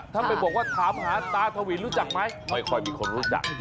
ถ้าไปบอกว่าถามหาตาทวินรู้จักไหมไม่ค่อยมีคนรู้จัก